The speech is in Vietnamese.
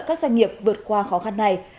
các doanh nghiệp vượt qua khó khăn này